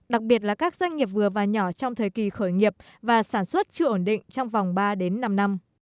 đặc biệt là các doanh nghiệp vừa và nhỏ trong thời kỳ khởi nghiệp và sản xuất chưa ổn định trong vòng ba đến năm năm